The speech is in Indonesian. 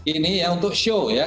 ini untuk show ya